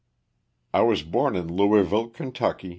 T WAS born in Louisville, Ky.